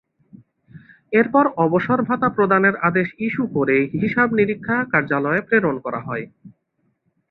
এরপর অবসর ভাতা প্রদানের আদেশ ইস্যু করে হিসাব নিরীক্ষা কার্যালয়ে প্রেরণ করা হয়।